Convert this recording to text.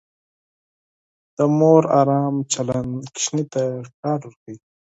د مور ارام چلند ماشوم ته ډاډ ورکوي.